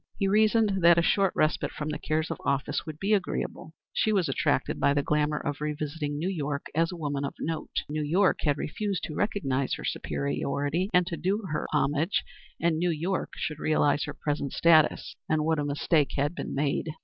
He reasoned that a short respite from the cares of office would be agreeable; she was attracted by the glamour of revisiting New York as a woman of note. New York had refused to recognize her superiority and to do her homage, and New York should realize her present status, and what a mistake had been made.